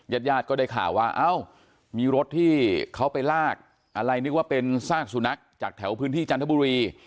ญาติญาติก็ได้ข่าวว่าเอ้ามีรถที่เขาไปลากอะไรนึกว่าเป็นซากสุนัขจากแถวพื้นที่จันทบุรี